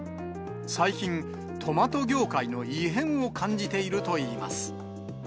最近、トマト業界の異変を感じているといいます。